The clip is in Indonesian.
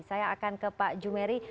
saya akan ke pak jumeri